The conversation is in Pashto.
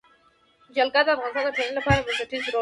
جلګه د افغانستان د ټولنې لپاره بنسټيز رول لري.